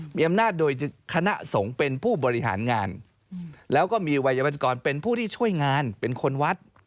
มีอำนาจโดยคณะสงฆ์เป็นผู้บริหารงานแล้วก็มีวัยวัชกรเป็นผู้ที่ช่วยงานเป็นคนวัด